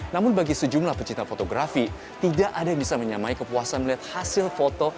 namun bagi sejumlah pecinta fotografi tidak ada yang bisa menyamai kepuasan melihat hasil foto